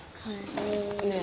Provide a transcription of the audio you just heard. ねえ。